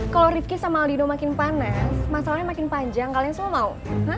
kalo rifki sama aladino makin panas masalahnya makin panjang kalian semua mau